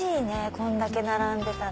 こんだけ並んでたら。